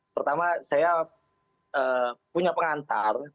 pertama saya punya pengantar